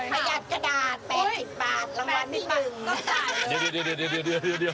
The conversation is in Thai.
รางวัลที่นี่มันต้องจ่ายเลย